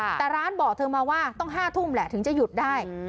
แต่ร้านบอกเธอมาว่าต้อง๕ทุ่มแหละถึงจะหยุดได้